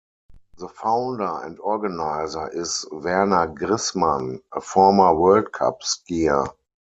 The founder and organiser is Werner Grissmann, a former World Cup skier.